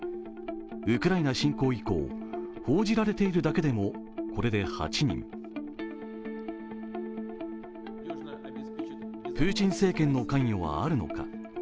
ウクライナ侵攻以降、報じられているだけでもこれで８人プーチン政権の関与はあるのか。